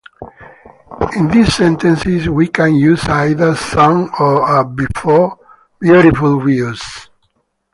In this sentence, we can use either "some" or "a" before "beautiful views".